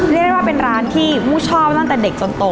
เรียกได้ว่าเป็นร้านที่มูชอบตั้งแต่เด็กจนโต